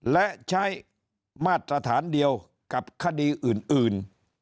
และใช้มาตรฐานเดียวกับคดีอื่น